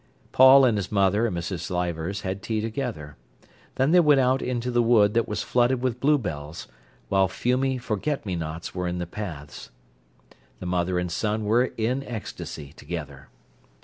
Paul and his mother and Mrs. Leivers had tea together. Then they went out into the wood that was flooded with bluebells, while fumy forget me nots were in the paths. The mother and son were in ecstasy together.